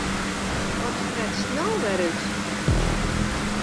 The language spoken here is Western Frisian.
Wat fretst no wer út?